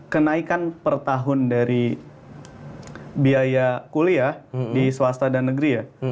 kenaikan per tahun dari biaya kuliah di swasta dan negeri ya